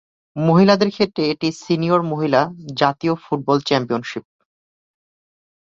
মহিলাদের ক্ষেত্রে এটি সিনিয়র মহিলা জাতীয় ফুটবল চ্যাম্পিয়নশিপ।